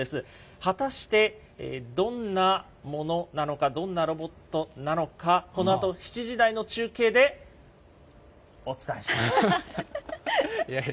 果たしてどんなものなのか、どんなロボットなのか、このあと７時台の中継でお伝えします。